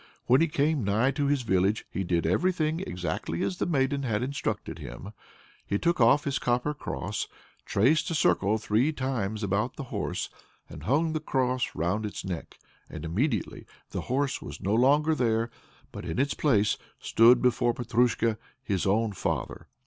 When he came nigh to his village he did everything exactly as the maiden had instructed him. He took off his copper cross, traced a circle three times about the horse, and hung the cross round its neck. And immediately the horse was no longer there, but in its place there stood before Petrusha his own father.